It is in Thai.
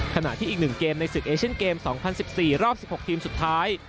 ขณะที่อีก๑เกมในศึกเอเชียนเกม๒๐๑๔รอบ๑๖ทีมสุดท้าย